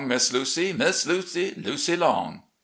Miss Lucy, Miss Lucy, Lucy Long